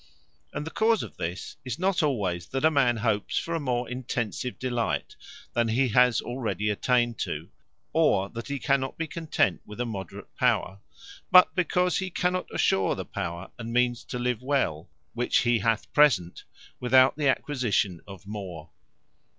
And the cause of this, is not alwayes that a man hopes for a more intensive delight, than he has already attained to; or that he cannot be content with a moderate power: but because he cannot assure the power and means to live well, which he hath present, without the acquisition of more.